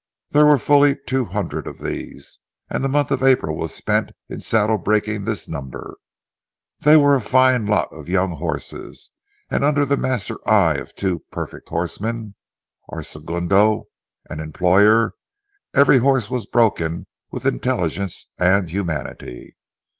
There were fully two hundred of these, and the month of April was spent in saddle breaking this number. They were a fine lot of young horses, and under the master eye of two perfect horsemen, our segundo and employer, every horse was broken with intelligence and humanity.